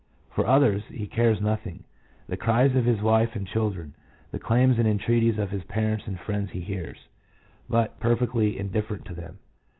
For others he cares nothing : the cries of his wife and children, the claims and entreaties of his parents and friends he hears, but is perfectly indifferent to them.